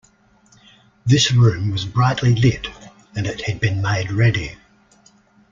This room was brightly lit; and it had been made ready.